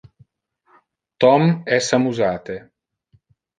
Tom es amusate.